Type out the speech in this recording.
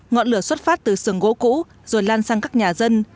ngọn lửa xuất phát từ sườn gỗ cũ rồi lan sang các nhà dân